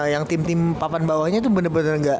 yang tim tim papan bawahnya itu bener bener gak